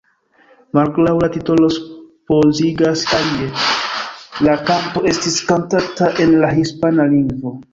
Malgraŭ la titolo supozigas alie, la kanto estis kantata en la hispana lingvo.